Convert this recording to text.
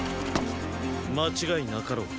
間違いなかろう。